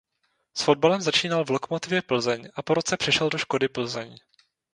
S fotbalem začínal v Lokomotivě Plzeň a po roce přešel do Škody Plzeň.